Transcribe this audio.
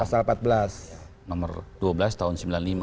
pasal empat belas nomor dua belas tahun seribu sembilan ratus sembilan puluh lima